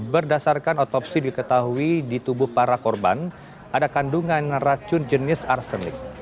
berdasarkan otopsi diketahui di tubuh para korban ada kandungan racun jenis arsenik